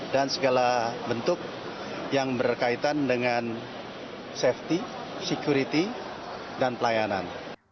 dan segala bentuk yang berkaitan dengan safety security dan pelayanan